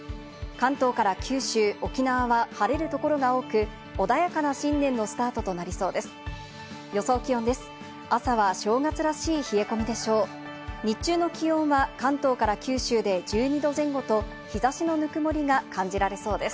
関東から九州、沖縄は晴れる所が多く、穏やかな新年のスタートとなりそうです。